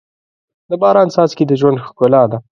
د باران څاڅکي د ژوند ښکلا ده.